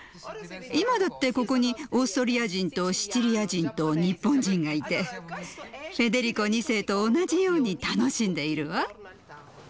今だってここにオーストリア人とシチリア人と日本人がいてフェデリコ２世と同じように楽しんでいるわ。